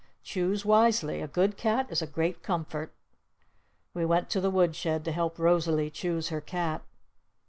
Choose wisely! A good cat is a great comfort!" We went to the wood shed to help Rosalee choose her cat.